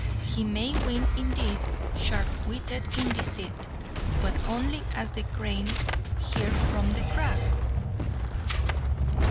He may win indeed, sharp witted in deceit, But only as the Crane here from the Crab!"